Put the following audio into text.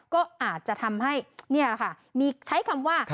ก็อาจจะทำให้ใช้คำว่า